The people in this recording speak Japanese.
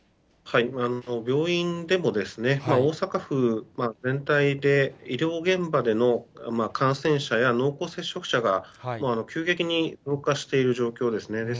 病院でも大阪府全体で医療現場での感染者や濃厚接触者が急激に増加している状況ですね。